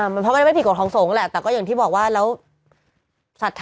เพราะไม่ได้ผิดกับทองสงฆ์แหละแต่ก็อย่างที่บอกว่าแล้ว